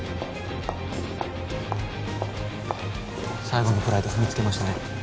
最後のプライド踏みつけましたね。